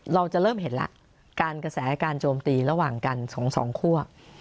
เราจะเริ่มเห็นแล้วการกระแสการโจมตีระหว่างกันสองสองคั่ว